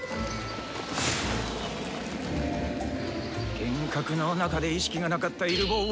幻覚の中で意識がなかったイル坊を！